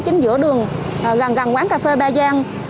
chính giữa đường gần quán cà phê ba giang